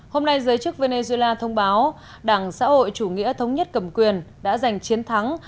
hôm nay giới chức venezuela thông báo đảng xã hội chủ nghĩa thống nhất cầm quyền đã giành chiến thắng